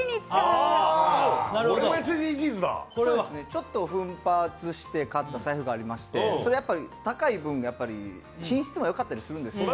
ちょっと奮発して買った財布がありまして、それは高い分、品質もよかったりするんですよ。